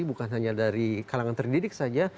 bukan hanya dari kalangan terdidik saja